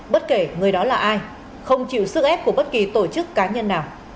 bất kể người đó là ai không chịu sức ép của bất kỳ tổ chức cá nhân nào